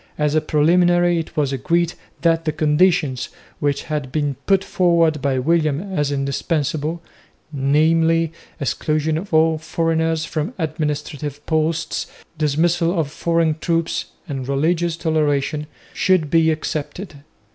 As a preliminary it was agreed that the conditions, which had been put forward by William as indispensable namely, exclusion of all foreigners from administrative posts, dismissal of foreign troops, and religious toleration should be accepted.